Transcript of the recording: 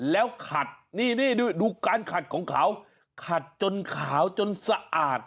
แล้วขัดนี่ดูการขัดของเขาขัดจนขาวจนสะอาด